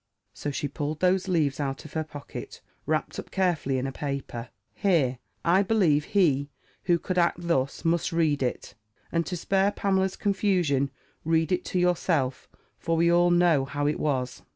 So she pulled those leaves out of her pocket, wrapped up carefully in a paper. "Here, I believe he who could act thus, must read it; and, to spare Pamela's confusion, read it to yourself; for we all know how it was."